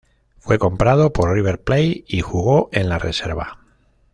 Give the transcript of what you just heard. Fue comprado por River Plate y jugo en la reserva.